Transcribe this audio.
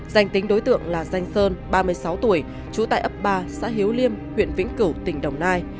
danh tính đối tượng là danh sơn ba mươi sáu tuổi trú tại ấp ba xã hiếu liêm huyện vĩnh cửu tỉnh đồng nai